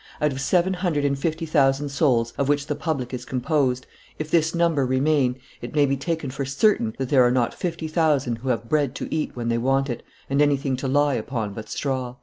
Out of seven hundred and fifty thousand souls of which the public is composed, if this number remain, it may be taken for certain that there are not fifty thousand who have bread to eat when they want it, and anything to lie upon but straw."